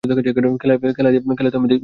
খেলায় তো আমি জিতেছি।